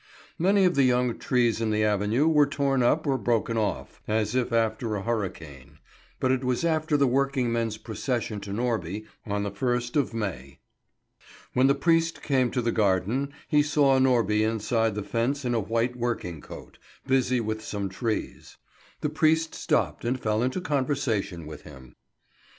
Many of the young trees in the avenue were torn up or broken off, as if after a hurricane; but it was after the working men's procession to Norby on the first of May. When the priest came to the garden, he saw Norby inside the fence in a white working coat, busy with some trees. The priest stopped and fell into conversation with him.